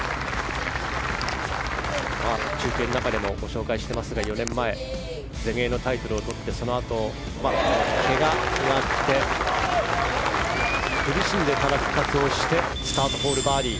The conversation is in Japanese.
中継の中でもご紹介していますが４年前に全英のタイトルをとってそのあと、けがもあって苦しんでいた時期もあってスタートホール、バーディー。